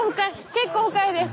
結構深いです。